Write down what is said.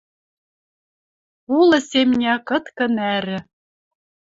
Улы семня кыткы нӓрӹ